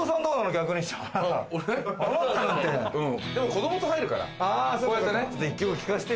子供と入るから。